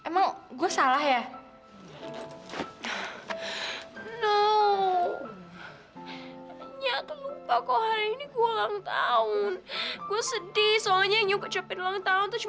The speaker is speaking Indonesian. mana terakhirannya lore